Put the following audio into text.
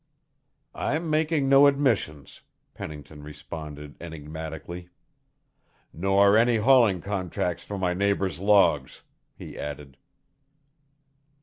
"I am making no admissions," Pennington responded enigmatically " nor any hauling contracts for my neighbour's logs," he added.